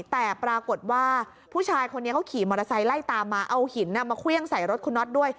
แต่ปรากฏว่าผู้ชายคนนี้เขาขี่มอเตอร์ไซค์ไล่ตามมาเอาหินมาเครื่องใส่รถคุณน็อตด้วย